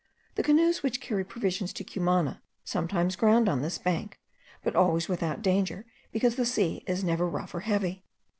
The canoes which carry provisions to Cumana sometimes ground on this bank; but always without danger, because the sea is never rough or heavy.